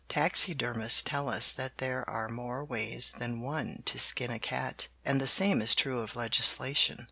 Taxidermists tell us that there are more ways than one to skin a cat, and the same is true of legislation.